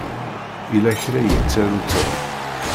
Yella kra i yettaru Tom.